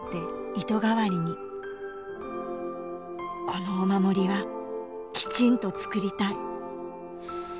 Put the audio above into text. このお守りはきちんと作りたい。